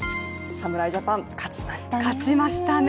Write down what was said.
侍ジャパン、勝ちましたね。